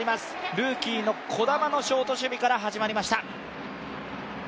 ルーキーの児玉のショート守備から始まりました。